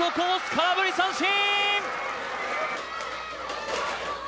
空振り三振！